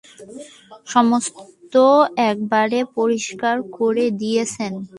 সমস্ত একেবারে পরিষ্কার করে দিয়েছেন।